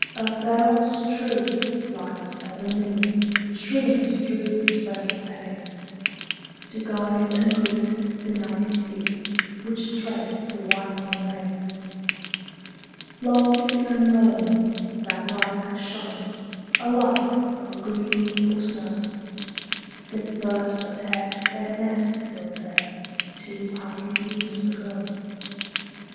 A pharos true, light ever new Streams through its friendly pane, To guide and greet benighted feet Which thread the winding lane. Lofty and lone, that light has shone, Alike o'er green or snow, Since first a pair their nest built there, Two hundred years ago.